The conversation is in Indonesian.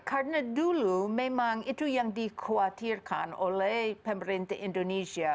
karena dulu memang itu yang dikhawatirkan oleh pemerintah indonesia